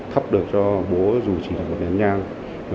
thắp được cho búa dù chỉ là một nén nhang